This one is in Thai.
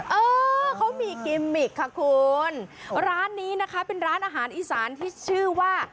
เออเขามีกิมมิกค่ะคุณร้านนี้นะคะเป็นร้านอาหารอีสานที่ชื่อว่า